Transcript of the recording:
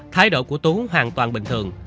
thái độ của tú hoàn toàn bình thường